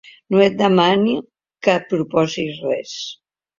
No et demano que proposis res.